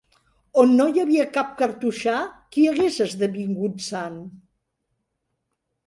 On no hi havia cap cartoixà que hagués esdevingut sant?